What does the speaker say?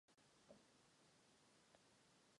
Všechny tyto literární prostředky se v jeho díle objevují.